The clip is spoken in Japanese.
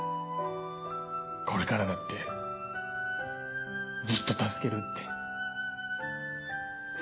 これからだってずっと助けるって。